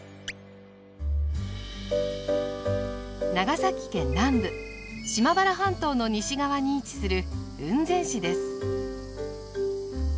長崎県南部島原半島の西側に位置する雲仙市です。